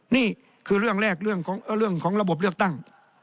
นี่คือเรื่องแรกเรื่องของระบบเลือกตั้ง